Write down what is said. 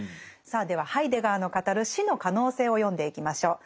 さあではハイデガーの語る「死」の可能性を読んでいきましょう。